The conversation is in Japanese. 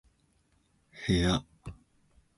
部屋